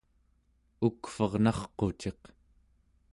ukvernarquciq